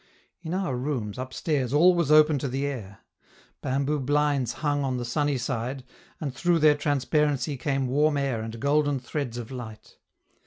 In our rooms, upstairs, all was open to the air; bamboo blinds hung on the sunny side, and through their transparency came warm air and golden threads of light.